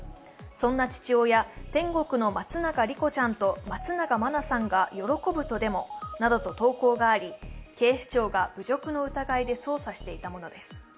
そんな父親、天国の松永莉子ちゃんと松永真菜さんが喜ぶとでも？などと投稿があり警視庁が侮辱の疑いで捜査していたものです。